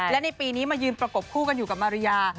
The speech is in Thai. และในปีนี้มายืนประกบคู่กันอยู่กับมาริยา